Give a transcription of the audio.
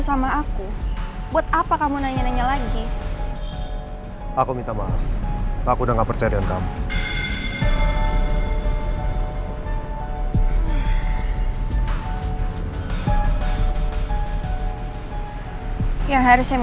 sampai jumpa di video selanjutnya